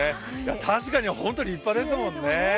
確かにホント立派ですもんね。